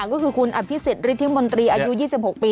ก็คือคุณอภิษฎฤทธิมนตรีอายุ๒๖ปี